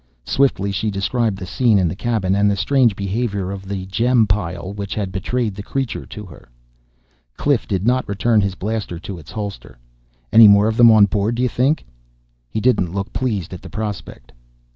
Swiftly she described the scene in the cabin and the strange behavior of the gem pile which had betrayed the creature to her. Cliff did not return his blaster to its holder. "Any more of them on board, d'you think?" He didn't look pleased at the prospect.